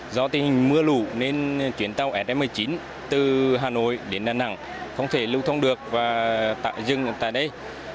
do tình hình mưa lũ nên chuyến tàu sm một mươi chín từ hà nội đến đà nẵng không thể lưu thông được và tạm dừng tại đây